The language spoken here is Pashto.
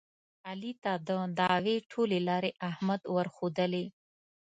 علي ته د دعوې ټولې لارې احمد ورښودلې.